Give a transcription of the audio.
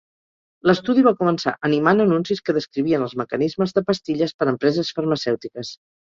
L'estudi va començar animant anuncis que descrivien els mecanismes de pastilles per empreses farmacèutiques.